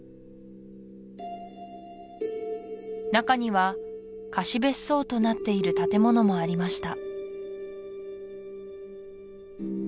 なかには貸別荘となっている建物もありました